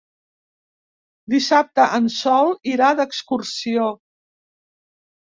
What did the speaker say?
Dissabte en Sol irà d'excursió.